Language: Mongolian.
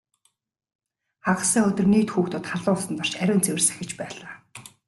Хагас сайн өдөр нийт хүүхдүүд халуун усанд орж ариун цэвэр сахиж байлаа.